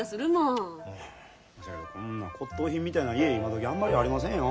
そやけどこんな骨とう品みたいな家今どきあんまりありませんよ。